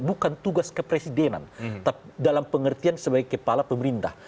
bukan tugas kepresidenan dalam pengertian sebagai kepala pemerintah